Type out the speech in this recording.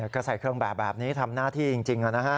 ก็ใส่เครื่องแบบแบบนี้ทำหน้าที่จริงนะฮะ